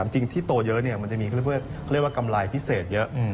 จริงที่โตเยอะมันจะมีกำไรพิเศษเยอะ